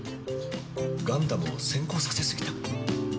ガンダムを先行させ過ぎた。